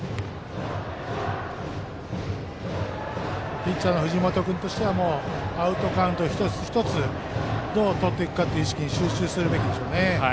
ピッチャーの藤本君としてはアウトカウントを一つ一つどうとっていくかに注目すべきでしょうね。